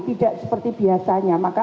tidak seperti biasanya maka